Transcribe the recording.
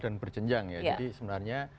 dan berjenjang ya jadi sebenarnya